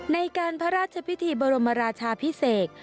ในการพระราชพิธีบรมราชาพิเศษ